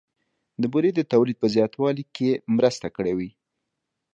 د بورې د تولید په زیاتوالي کې یې مرسته کړې وي